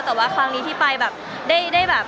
แต่ว่าครั้งนี้ที่ไปแบบ